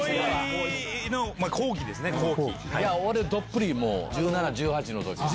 俺どっぷりもう１７１８の時です。